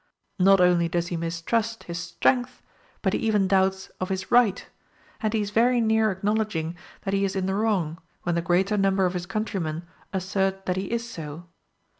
Not only does he mistrust his strength, but he even doubts of his right; and he is very near acknowledging that he is in the wrong, when the greater number of his countrymen assert that he is so.